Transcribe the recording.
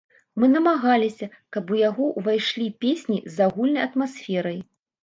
Мы намагаліся, каб у яго ўвайшлі песні з агульнай атмасферай.